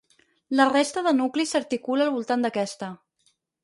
La resta de nucli s'articula al voltant d'aquesta.